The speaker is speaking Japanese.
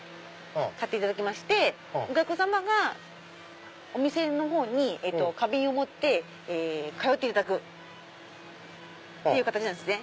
買っていただきましてお客さまがお店の方に花瓶を持って通っていただく形なんですね。